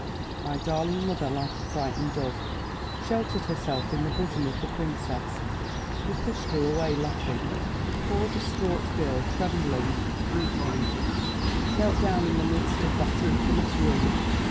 My darling mother, like a frightened dove, sheltered herself in the bosom of the princess, who pushed her away, laughing. The poor distraught girl, trembling, weeping, knelt down in the midst of that infamous room.